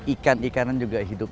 ikan ikanan juga hidup